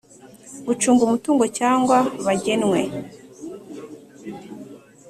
gucunga umutungo cyangwa bagenwe